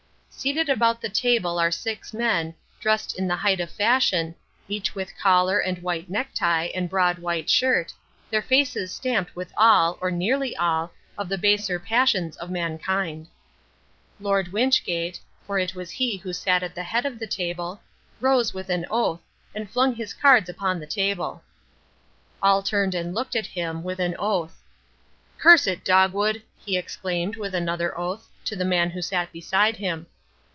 Seated about the table are six men, dressed in the height of fashion, each with collar and white necktie and broad white shirt, their faces stamped with all, or nearly all, of the baser passions of mankind. Lord Wynchgate for he it was who sat at the head of the table rose with an oath, and flung his cards upon the table. All turned and looked at him, with an oath. "Curse it, Dogwood," he exclaimed, with another oath, to the man who sat beside him.